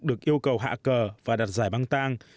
được yêu cầu hạ cờ và đặt giải băng tang